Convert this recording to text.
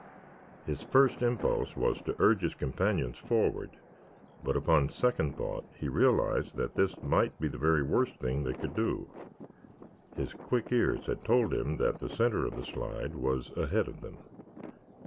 His first impulse was to urge his companions forward, but upon second thought he realized that this might be the very worst thing they could do. His quick ears had told him that the center of the slide was ahead of them.